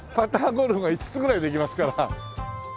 ゴルフが５つぐらいできますから。